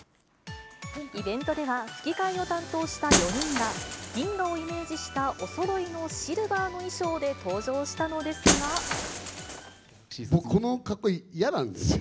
イベントでは、吹き替えを担当した４人が、銀河をイメージしたおそろいのシ僕、この格好、嫌なんですよ。